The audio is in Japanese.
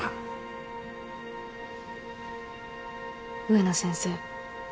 植野先生。